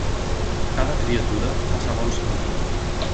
Cada criatura fa segons sa natura.